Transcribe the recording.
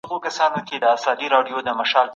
نیمایي بالغ خلک په راتلونکې کې ډېر وزن لري یا چاغ وي.